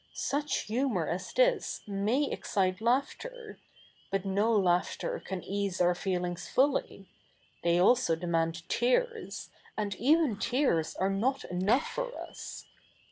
Such humour as this may excite laughter ; but no laughter ca?t ease our feelings fully — they also demand tears ; a?id even tears are not e?u)ugh for us.